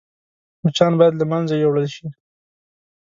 مچان باید له منځه يوړل شي